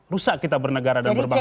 rusak kita bernegara dan berbangsa